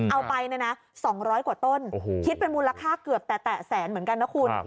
เอาไปเนี่ยนะ๒๐๐กว่าต้นคิดเป็นมูลค่าเกือบแต่แสนเหมือนกันนะคุณ